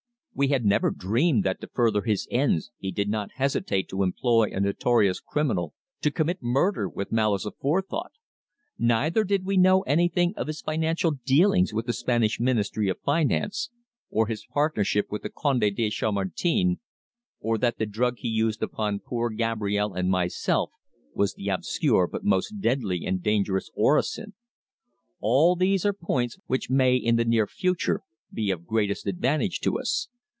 We had never dreamed that to further his ends he did not hesitate to employ a notorious criminal to commit murder with malice aforethought. Neither did we know anything of his financial dealings with the Spanish Ministry of Finance, or his partnership with the Conde de Chamartin, or that the drug he used upon poor Gabrielle and myself was the obscure but most deadly and dangerous orosin. All these are points which may in the near future be of greatest advantage to us.